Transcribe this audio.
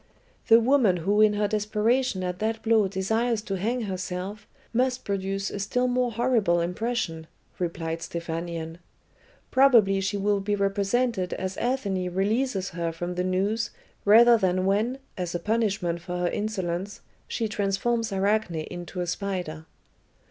"The woman who in her desperation at that blow desires to hang herself, must produce a still more horrible impression," replied Stephanion. "Probably she will be represented as Athene releases her from the noose rather than when, as a punishment for her insolence, she transforms Arachne into a spider."